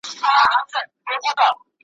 پاس به د اسمان پر لمن وګرځو عنقا به سو ,